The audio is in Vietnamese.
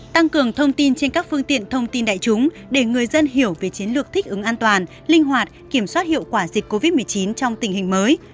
tăng cường thông tin trên các phương tiện thông tin đại chúng để người dân hiểu về chiến lược thích ứng an toàn linh hoạt kiểm soát hiệu quả dịch covid một mươi chín trong tình hình mới